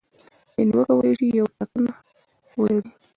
یعنې وکولای شي یوه ټاکنه ولري.